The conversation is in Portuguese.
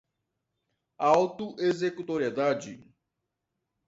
auto-executoriedade